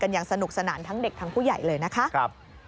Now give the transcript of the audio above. อย่างสนุกสนานทั้งเด็กทั้งผู้ใหญ่เลยนะคะ